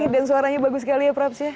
dan suaranya bagus sekali ya praps ya